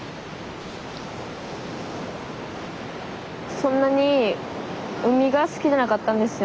そんなに海が好きじゃなかったんですよ。